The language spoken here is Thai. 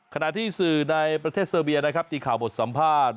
ขณะที่สื่อในประเทศเซอร์เบียนะครับที่ข่าวบทสัมภาษณ์